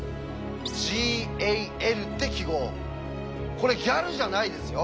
これ「ギャル」じゃないですよ。